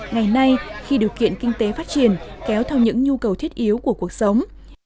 ngày nay khi điều kiện kinh tế phát triển kéo theo những nhu cầu thiết yếu của cuộc sống